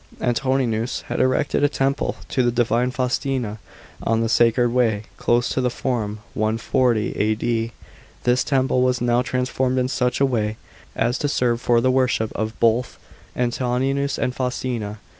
Antoninus had erected a temple to the divine Faustina, on the Sacred Way, close to the Forum (140 A.D.). This temple was now transformed in such a way as to serve for the worship of both Antoninus and Faustina.